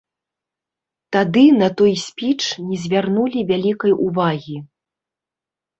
Тады на той спіч не звярнулі вялікай увагі.